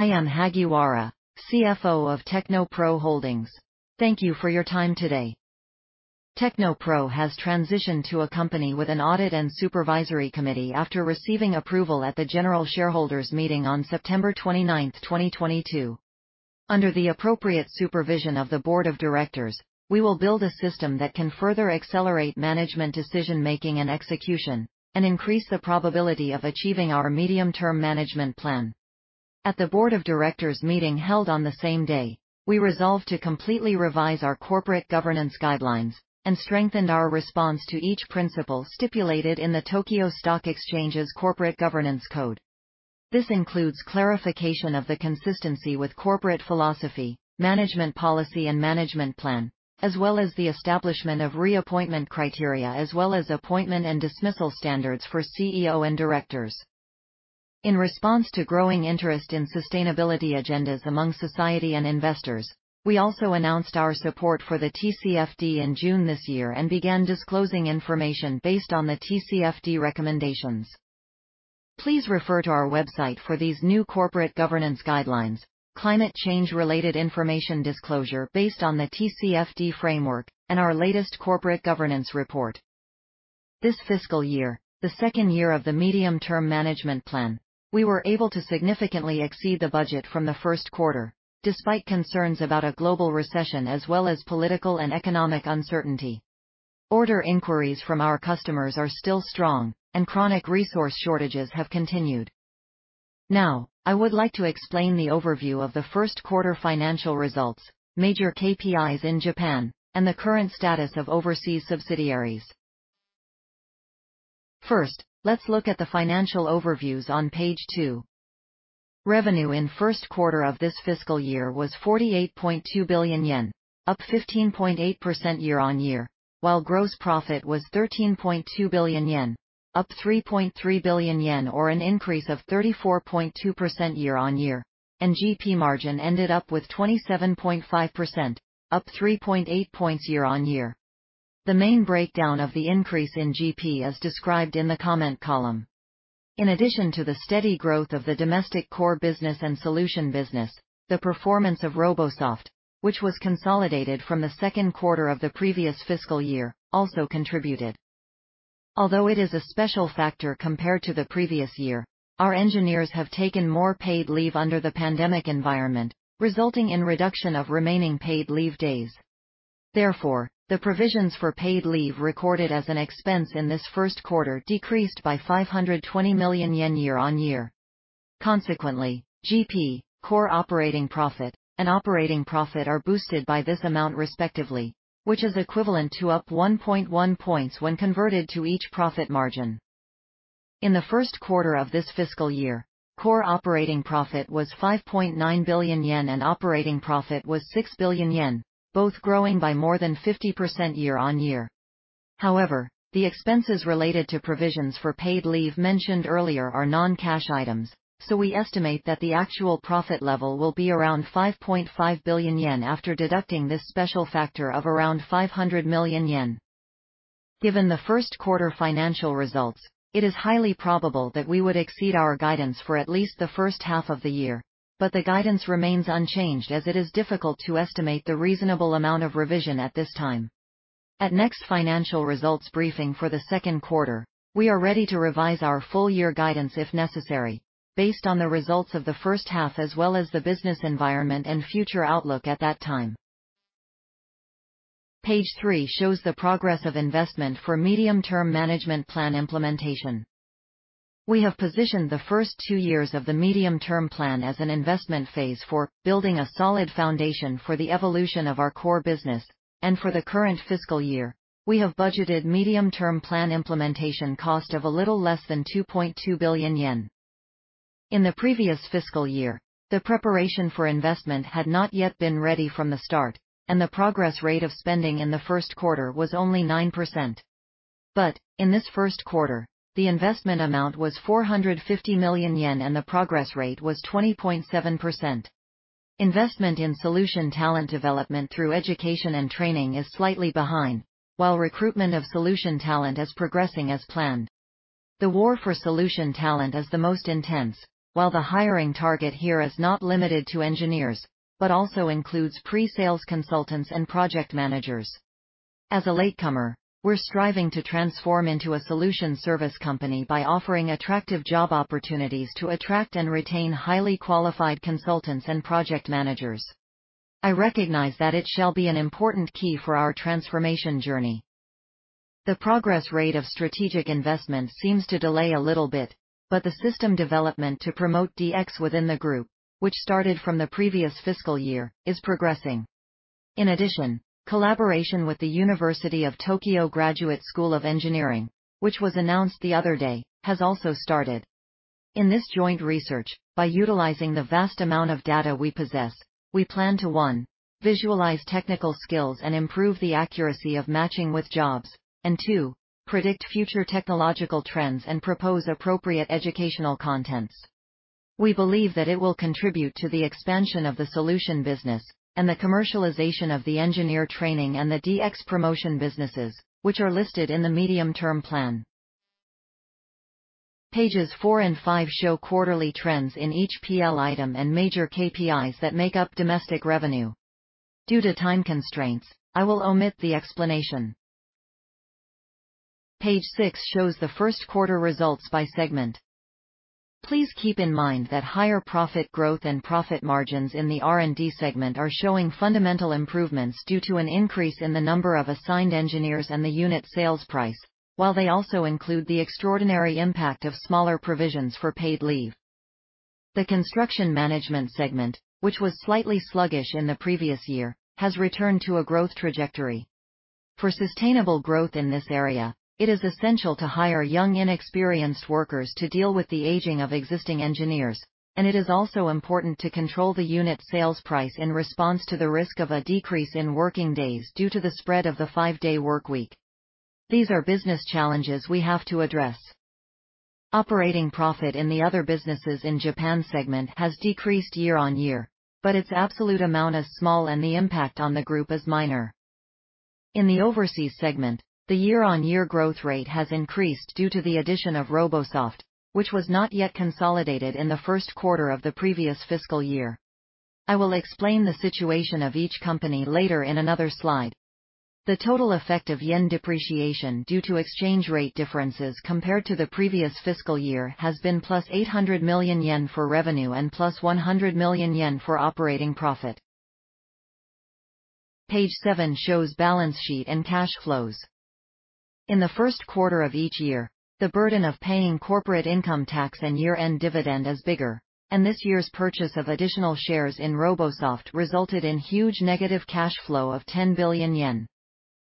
I am Hagiwara, CFO of TechnoPro Holdings. Thank you for your time today. TechnoPro has transitioned to a company with an audit and supervisory committee after receiving approval at the general shareholders meeting on September 29th, 2022. Under the appropriate supervision of the board of directors, we will build a system that can further accelerate management decision-making and execution and increase the probability of achieving our medium-term management plan. At the board of directors meeting held on the same day, we resolved to completely revise our corporate governance guidelines and strengthened our response to each principle stipulated in the Tokyo Stock Exchange's corporate governance code. This includes clarification of the consistency with corporate philosophy, management policy, and management plan, as well as the establishment of reappointment criteria, as well as appointment and dismissal standards for CEO and directors. In response to growing interest in sustainability agendas among society and investors, we also announced our support for the TCFD in June this year and began disclosing information based on the TCFD recommendations. Please refer to our website for these new corporate governance guidelines, climate change-related information disclosure based on the TCFD framework, and our latest corporate governance report. This fiscal year, the second year of the medium-term management plan, we were able to significantly exceed the budget from the first quarter, despite concerns about a global recession as well as political and economic uncertainty. Order inquiries from our customers are still strong, and chronic resource shortages have continued. Now, I would like to explain the overview of the first quarter financial results, major KPIs in Japan, and the current status of overseas subsidiaries. First, let's look at the financial overviews on page two. Revenue in first quarter of this fiscal year was 48.2 billion yen, up 15.8% year-on-year, while gross profit was 13.2 billion yen, up 3.3 billion yen or an increase of 34.2% year-on-year, and GP margin ended up with 27.5%, up 3.8 points year-on-year. The main breakdown of the increase in GP is described in the comment column. In addition to the steady growth of the domestic core business and solution business, the performance of Robosoft, which was consolidated from the second quarter of the previous fiscal year, also contributed. Although it is a special factor compared to the previous year, our engineers have taken more paid leave under the pandemic environment, resulting in reduction of remaining paid leave days. Therefore, the provisions for paid leave recorded as an expense in this first quarter decreased by 520 million yen year-on-year. Consequently, GP, core operating profit, and operating profit are boosted by this amount respectively, which is equivalent to up 1.1 points when converted to each profit margin. In the first quarter of this fiscal year, core operating profit was 5.9 billion yen, and operating profit was 6 billion yen, both growing by more than 50% year-on-year. However, the expenses related to provisions for paid leave mentioned earlier are non-cash items, so we estimate that the actual profit level will be around 5.5 billion yen after deducting this special factor of around 500 million yen. Given the first quarter financial results, it is highly probable that we would exceed our guidance for at least the first half of the year, but the guidance remains unchanged as it is difficult to estimate the reasonable amount of revision at this time. At next financial results briefing for the second quarter, we are ready to revise our full year guidance if necessary, based on the results of the first half as well as the business environment and future outlook at that time. Page three shows the progress of investment for medium-term management plan implementation. We have positioned the first two years of the medium-term plan as an investment phase for building a solid foundation for the evolution of our core business. For the current fiscal year, we have budgeted medium-term plan implementation cost of a little less than 2.2 billion yen. In the previous fiscal year, the preparation for investment had not yet been ready from the start, and the progress rate of spending in the first quarter was only 9%. In this first quarter, the investment amount was 450 million yen, and the progress rate was 20.7%. Investment in solution talent development through education and training is slightly behind, while recruitment of solution talent is progressing as planned. The war for solution talent is the most intense, while the hiring target here is not limited to engineers but also includes pre-sales consultants and project managers. As a latecomer, we're striving to transform into a solution service company by offering attractive job opportunities to attract and retain highly qualified consultants and project managers. I recognize that it shall be an important key for our transformation journey. The progress rate of strategic investment seems to delay a little bit, but the system development to promote DX within the group, which started from the previous fiscal year, is progressing. In addition, collaboration with the University of Tokyo Graduate School of Engineering, which was announced the other day, has also started. In this joint research, by utilizing the vast amount of data we possess, we plan to, one, visualize technical skills and improve the accuracy of matching with jobs. Two, predict future technological trends and propose appropriate educational contents. We believe that it will contribute to the expansion of the solution business and the commercialization of the engineer training and the DX promotion businesses, which are listed in the medium-term plan. Pages four and five show quarterly trends in each PL item and major KPIs that make up domestic revenue. Due to time constraints, I will omit the explanation. Page six shows the first quarter results by segment. Please keep in mind that higher profit growth and profit margins in the R&D segment are showing fundamental improvements due to an increase in the number of assigned engineers and the unit sales price, while they also include the extraordinary impact of smaller provisions for paid leave. The construction management segment, which was slightly sluggish in the previous year, has returned to a growth trajectory. For sustainable growth in this area, it is essential to hire young, inexperienced workers to deal with the aging of existing engineers, and it is also important to control the unit sales price in response to the risk of a decrease in working days due to the spread of the five-day workweek. These are business challenges we have to address. Operating profit in the other businesses in Japan segment has decreased year-on-year, but its absolute amount is small, and the impact on the group is minor. In the overseas segment, the year-on-year growth rate has increased due to the addition of Robosoft, which was not yet consolidated in the first quarter of the previous fiscal year. I will explain the situation of each company later in another slide. The total effect of yen depreciation due to exchange rate differences compared to the previous fiscal year has been +800 million yen for revenue and +100 million yen for operating profit. Page seven shows balance sheet and cash flows. In the first quarter of each year, the burden of paying corporate income tax and year-end dividend is bigger, and this year's purchase of additional shares in Robosoft resulted in huge negative cash flow of 10 billion yen.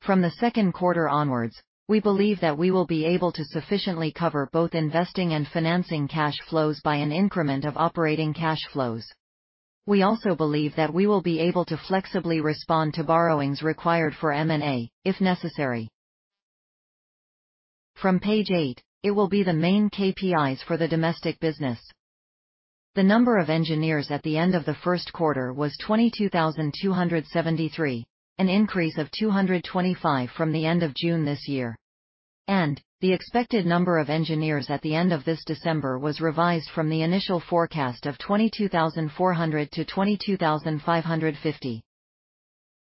From the second quarter onwards, we believe that we will be able to sufficiently cover both investing and financing cash flows by an increment of operating cash flows. We also believe that we will be able to flexibly respond to borrowings required for M&A if necessary. From page eight, it will be the main KPIs for the domestic business. The number of engineers at the end of the first quarter was 22,273, an increase of 225 from the end of June this year. The expected number of engineers at the end of this December was revised from the initial forecast of 22,400 to 22,550.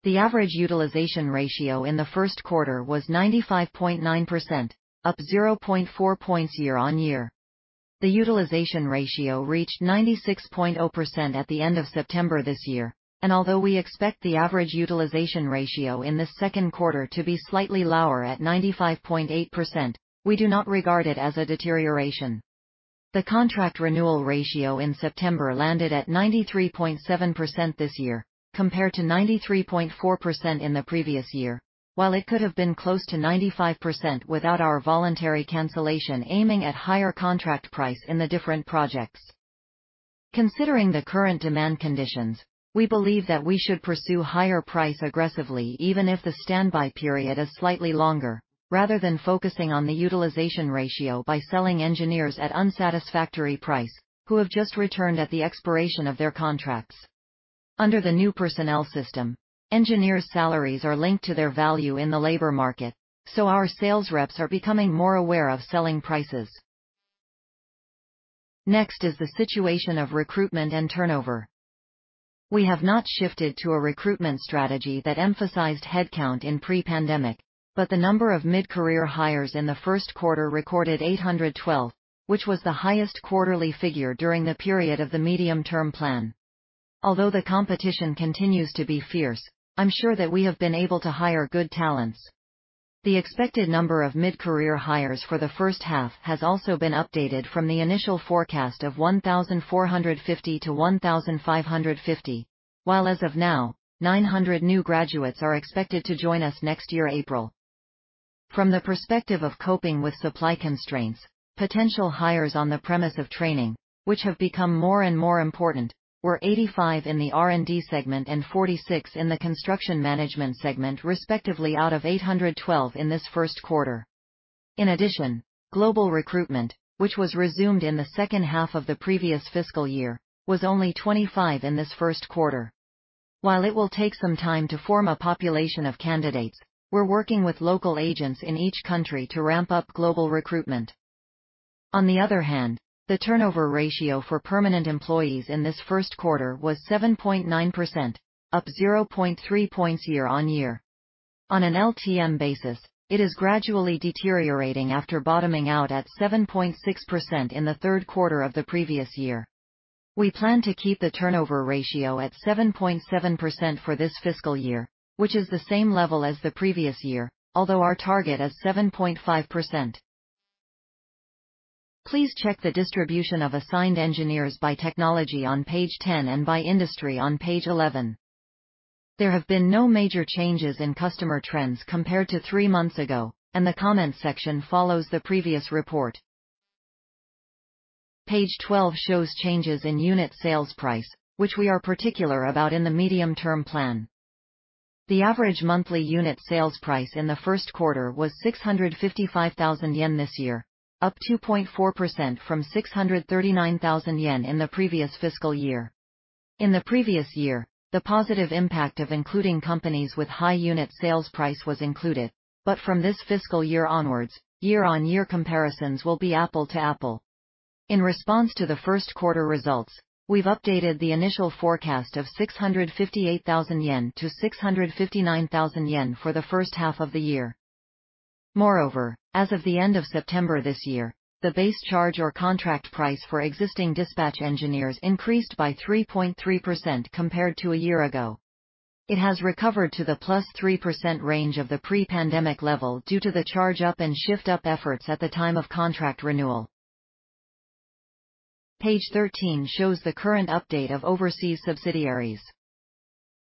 The average utilization ratio in the first quarter was 95.9%, up 0.4 points year-on-year. The utilization ratio reached 96.0% at the end of September this year, and although we expect the average utilization ratio in the second quarter to be slightly lower at 95.8%, we do not regard it as a deterioration. The contract renewal ratio in September landed at 93.7% this year, compared to 93.4% in the previous year. While it could have been close to 95% without our voluntary cancellation aiming at higher contract price in the different projects. Considering the current demand conditions, we believe that we should pursue higher price aggressively, even if the standby period is slightly longer, rather than focusing on the utilization ratio by selling engineers at unsatisfactory price who have just returned at the expiration of their contracts. Under the new personnel system, engineers' salaries are linked to their value in the labor market, so our sales reps are becoming more aware of selling prices. Next is the situation of recruitment and turnover. We have not shifted to a recruitment strategy that emphasized headcount in pre-pandemic, but the number of mid-career hires in the first quarter recorded 812, which was the highest quarterly figure during the period of the medium-term plan. Although the competition continues to be fierce, I'm sure that we have been able to hire good talents. The expected number of mid-career hires for the first half has also been updated from the initial forecast of 1,450 to 1,550. While as of now, 900 new graduates are expected to join us next year, April. From the perspective of coping with supply constraints, potential hires on the premise of training, which have become more and more important, were 85 in the R&D segment and 46 in the construction management segment, respectively out of 812 in this first quarter. In addition, global recruitment, which was resumed in the second half of the previous fiscal year, was only 25 in this first quarter. While it will take some time to form a population of candidates, we're working with local agents in each country to ramp up global recruitment. On the other hand, the turnover ratio for permanent employees in this first quarter was 7.9%, up 0.3 points year-on-year. On an LTM basis, it is gradually deteriorating after bottoming out at 7.6% in the third quarter of the previous year. We plan to keep the turnover ratio at 7.7% for this fiscal year, which is the same level as the previous year, although our target is 7.5%. Please check the distribution of assigned engineers by technology on page 10 and by industry on page 11. There have been no major changes in customer trends compared to three months ago, and the comment section follows the previous report. Page 12 shows changes in unit sales price, which we are particular about in the medium-term plan. The average monthly unit sales price in the first quarter was 655,000 yen this year, up 2.4% from 639,000 yen in the previous fiscal year. In the previous year, the positive impact of including companies with high unit sales price was included. From this fiscal year onwards, year-on-year comparisons will be apples to apples. In response to the first quarter results, we've updated the initial forecast of 658,000 yen to 659,000 yen for the first half of the year. Moreover, as of the end of September this year, the base charge or contract price for existing dispatch engineers increased by 3.3% compared to a year ago. It has recovered to the +3% range of the pre-pandemic level due to the charge-up and shift-up efforts at the time of contract renewal. Page 13 shows the current update of overseas subsidiaries.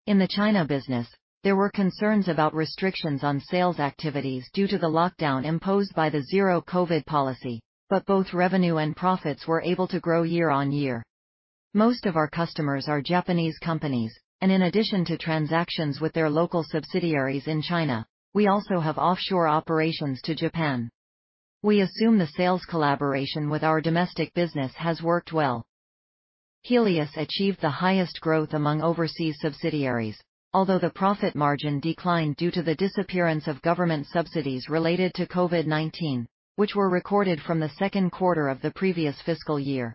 In the China business, there were concerns about restrictions on sales activities due to the lockdown imposed by the zero COVID policy, but both revenue and profits were able to grow year-on-year. Most of our customers are Japanese companies, and in addition to transactions with their local subsidiaries in China, we also have offshore operations to Japan. We assume the sales collaboration with our domestic business has worked well. Helius achieved the highest growth among overseas subsidiaries, although the profit margin declined due to the disappearance of government subsidies related to COVID-19, which were recorded from the second quarter of the previous fiscal year.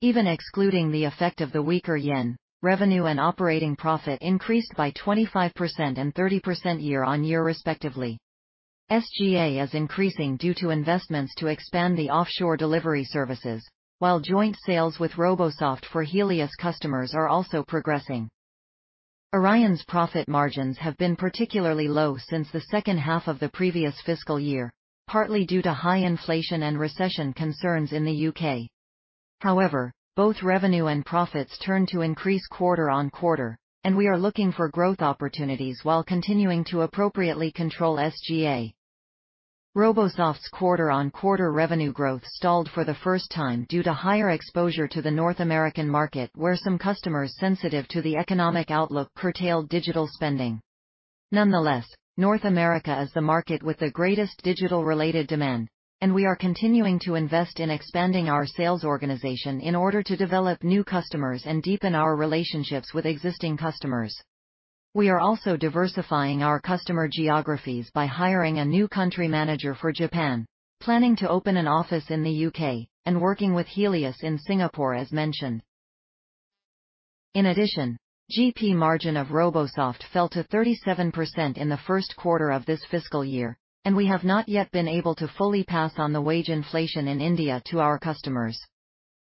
Even excluding the effect of the weaker yen, revenue and operating profit increased by 25% and 30% year-on-year, respectively. SGA is increasing due to investments to expand the offshore delivery services, while joint sales with Robosoft for Helius customers are also progressing. Orion's profit margins have been particularly low since the second half of the previous fiscal year, partly due to high inflation and recession concerns in the U.K. However, both revenue and profits turn to increase quarter-on-quarter, and we are looking for growth opportunities while continuing to appropriately control SGA. Robosoft's quarter-on-quarter revenue growth stalled for the first time due to higher exposure to the North American market, where some customers sensitive to the economic outlook curtailed digital spending. Nonetheless, North America is the market with the greatest digital-related demand, and we are continuing to invest in expanding our sales organization in order to develop new customers and deepen our relationships with existing customers. We are also diversifying our customer geographies by hiring a new country manager for Japan, planning to open an office in the U.K., and working with Helius in Singapore as mentioned. In addition, GP margin of Robosoft fell to 37% in the first quarter of this fiscal year, and we have not yet been able to fully pass on the wage inflation in India to our customers.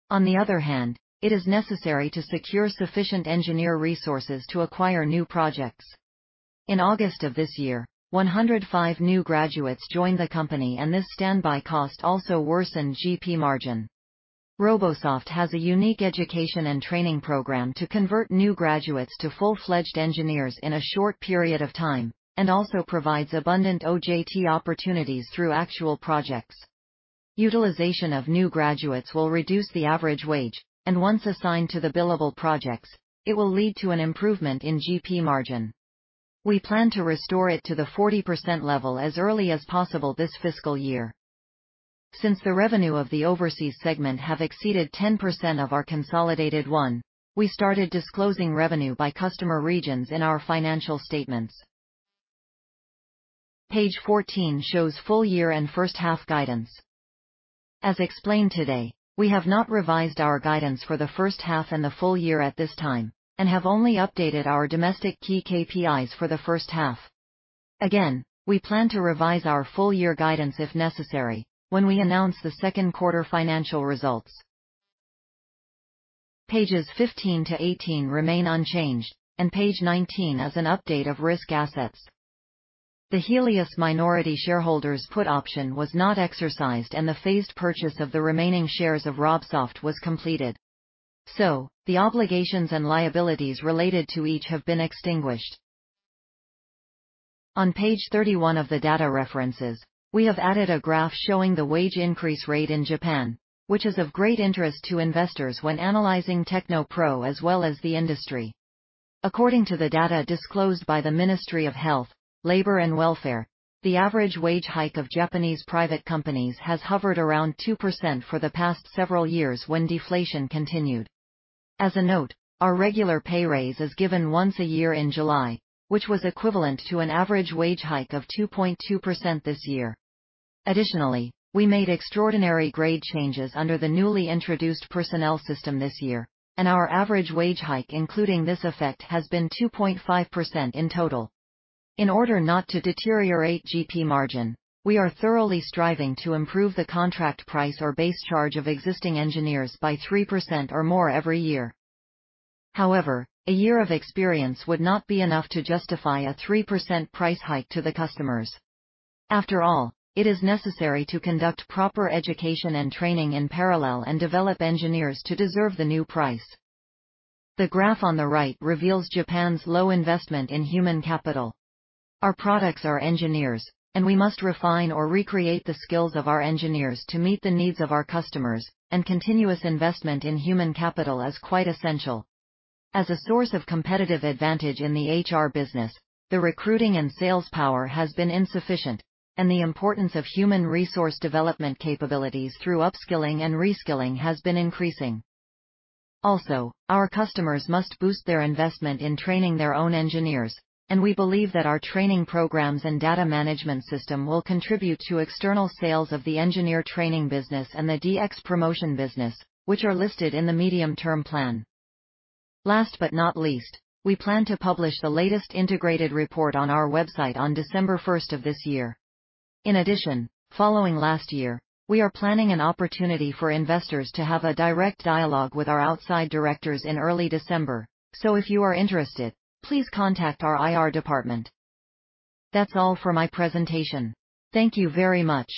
On the other hand, it is necessary to secure sufficient engineer resources to acquire new projects. In August of this year, 105 new graduates joined the company, and this standby cost also worsened GP margin. Robosoft has a unique education and training program to convert new graduates to full-fledged engineers in a short period of time and also provides abundant OJT opportunities through actual projects. Utilization of new graduates will reduce the average wage, and once assigned to the billable projects, it will lead to an improvement in GP margin. We plan to restore it to the 40% level as early as possible this fiscal year. Since the revenue of the overseas segment have exceeded 10% of our consolidated one, we started disclosing revenue by customer regions in our financial statements. Page 14 shows full year and first half guidance. As explained today, we have not revised our guidance for the first half and the full year at this time and have only updated our domestic key KPIs for the first half. Again, we plan to revise our full year guidance if necessary when we announce the second quarter financial results. Pages 15-18 remain unchanged, and page 19 is an update of risk assets. The Helius minority shareholders' put option was not exercised and the phased purchase of the remaining shares of Robosoft was completed, so the obligations and liabilities related to each have been extinguished. On page 31 of the data references, we have added a graph showing the wage increase rate in Japan, which is of great interest to investors when analyzing TechnoPro as well as the industry. According to the data disclosed by the Ministry of Health, Labour and Welfare, the average wage hike of Japanese private companies has hovered around 2% for the past several years when deflation continued. As a note, our regular pay raise is given once a year in July, which was equivalent to an average wage hike of 2.2% this year. Additionally, we made extraordinary grade changes under the newly introduced personnel system this year, and our average wage hike, including this effect, has been 2.5% in total. In order not to deteriorate GP margin, we are thoroughly striving to improve the contract price or base charge of existing engineers by 3% or more every year. However, a year of experience would not be enough to justify a 3% price hike to the customers. After all, it is necessary to conduct proper education and training in parallel and develop engineers to deserve the new price. The graph on the right reveals Japan's low investment in human capital. Our products are engineers, and we must refine or recreate the skills of our engineers to meet the needs of our customers. Continuous investment in human capital is quite essential. As a source of competitive advantage in the HR business, the recruiting and sales power has been insufficient, and the importance of human resource development capabilities through upskilling and reskilling has been increasing. Also, our customers must boost their investment in training their own engineers, and we believe that our training programs and data management system will contribute to external sales of the engineer training business and the DX promotion business, which are listed in the medium-term plan. Last but not least, we plan to publish the latest integrated report on our website on December 1st of this year. In addition, following last year, we are planning an opportunity for investors to have a direct dialogue with our outside directors in early December. If you are interested, please contact our IR department. That's all for my presentation. Thank you very much.